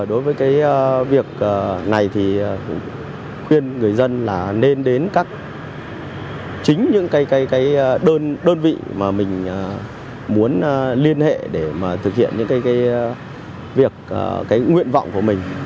đối với việc này thì khuyên người dân là nên đến các chính những đơn vị mà mình muốn liên hệ để thực hiện những nguyện vọng của mình